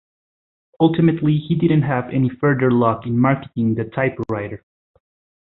Ultimately he didn't have any further luck in marketing the typewriter.